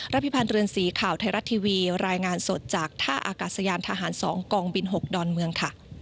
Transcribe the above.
พิพันธ์เรือนสีข่าวไทยรัฐทีวีรายงานสดจากท่าอากาศยานทหาร๒กองบิน๖ดอนเมืองค่ะ